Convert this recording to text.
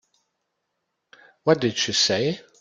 What did she say?